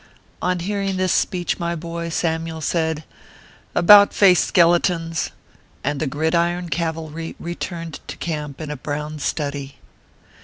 On hearing this speech, my boy, Samyule said :" About face ! skeletons ;" and the gridiron cavalry returned to camp in a brown study.